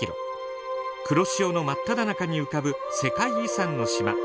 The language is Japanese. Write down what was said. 黒潮の真っただ中に浮かぶ世界遺産の島